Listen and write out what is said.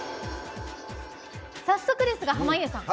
早速ですが濱家さん